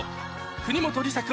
国本梨紗君